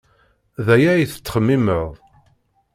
D aya ay tettxemmimeḍ.